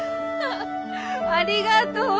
ありがとう！